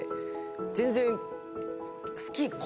全然。